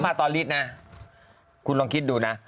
๓บาทต่อลิตรนะคุณลองคิดดูนะ